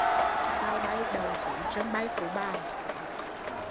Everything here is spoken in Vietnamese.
Tàu bay đậu xuống sân bay Phú Bài